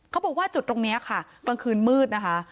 เขาบอกว่าจุดตรงนี้ค่ะกลางคืนมืดนะคะ